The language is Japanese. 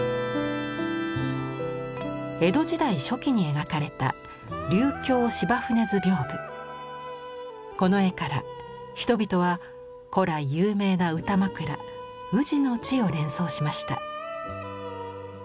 江戸時代初期に描かれたこの絵から人々は古来有名な歌枕「宇治」の地を連想しました。